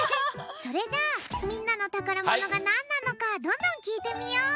それじゃあみんなのたからものがなんなのかどんどんきいてみよう。